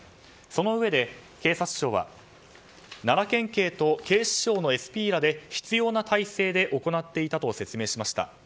そのうえで警察庁は奈良県警と警視庁のＳＰらで必要な体制で行っていたと説明しました。